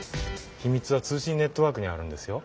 ひみつは通信ネットワークにあるんですよ。